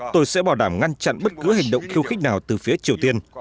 tôi sẽ bảo đảm ngăn chặn bất cứ hành động khiêu khích nào từ phía triều tiên